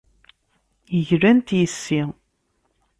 Glant yes-i.